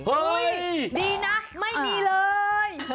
เฮ้ยดีนะไม่มีเลย